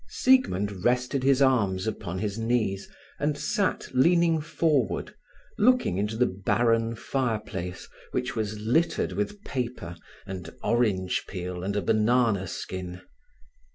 Siegmund rested his arms upon his knees, and sat leaning forward, looking into the barren fireplace, which was littered with paper, and orange peel, and a banana skin.